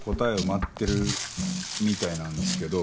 待ってるみたいなんですけど。